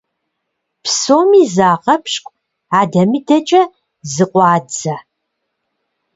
Псоми загъэпщкӀу, адэ-мыдэкӀэ зыкъуадзэ.